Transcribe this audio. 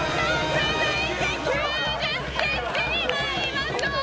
続いて、９０ｃｍに参りましょう。